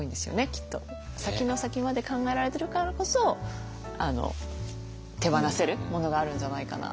先の先まで考えられてるからこそ手放せるものがあるんじゃないかな。